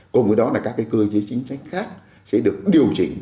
cùng với đó là các cơ chế chính sách khác sẽ được điều chỉnh